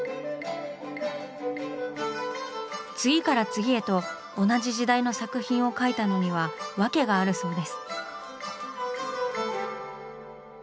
次から次へと同じ時代の作品を描いたのにはわけがあるそうです。